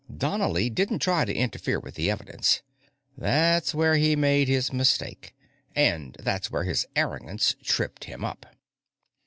Donnely didn't try to interfere with the evidence that's where he made his mistake. And that's where his arrogance tripped him up.